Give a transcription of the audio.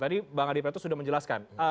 tadi bang adi pretno sudah mengatakan